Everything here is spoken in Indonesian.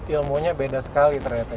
ilmunya beda sekali ternyata